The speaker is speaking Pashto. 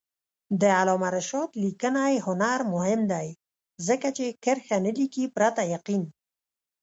د علامه رشاد لیکنی هنر مهم دی ځکه چې کرښه نه لیکي پرته یقین.